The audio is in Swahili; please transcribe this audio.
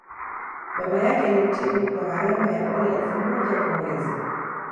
Baba yake alimtibu kwa gharama ya dola elfu moja kwa mwezi